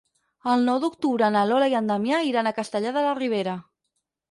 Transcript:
El nou d'octubre na Lola i en Damià iran a Castellar de la Ribera.